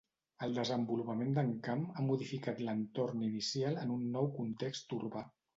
El desenvolupament d'Encamp ha modificat l'entorn inicial en un nou context urbà.